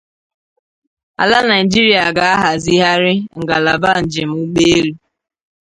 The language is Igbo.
Ala Naijiria ga-ahazigharị ngalaba njem ụgbọelu